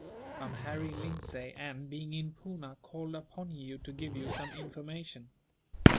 "I am Harry Lindsay and, being in Poona, called upon you to give you some information."